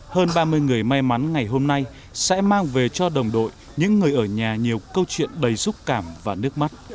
hơn ba mươi người may mắn ngày hôm nay sẽ mang về cho đồng đội những người ở nhà nhiều câu chuyện đầy xúc cảm và nước mắt